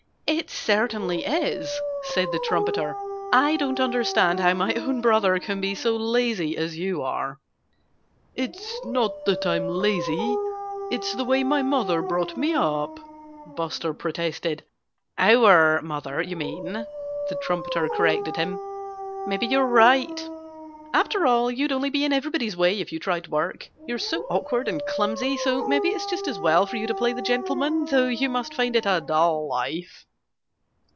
"It certainly is," said the trumpeter. "I don't understand how my own brother can be so lazy as you are." "It's not that I'm lazy it's the way my mother brought me up," Buster protested. "Our mother, you mean," the trumpeter corrected him. "Maybe you're right.... After all, you'd only be in everybody's way if you tried to work you're so awkward and clumsy. So maybe it's just as well for you to play the gentleman though you must find it a dull life."